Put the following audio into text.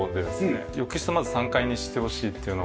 浴室をまず３階にしてほしいっていうのがまずあって。